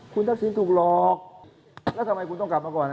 คุณทักษิณถูกหลอกแล้วทำไมคุณต้องกลับมาก่อน